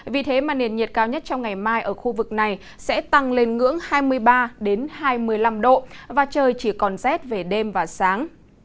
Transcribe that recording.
vì thế mà nền nhiệt cao nhất trong ngày mai ở khu vực này sẽ tăng lên ngưỡng hai mươi ba hai mươi năm độ và trời chỉ còn rét về đêm và sáng